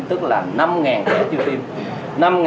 tức là năm trẻ chưa tiêm